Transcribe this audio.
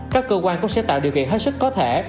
các cơ quan cũng sẽ tạo điều kiện hết sức có thể